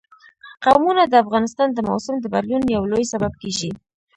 قومونه د افغانستان د موسم د بدلون یو لوی سبب کېږي.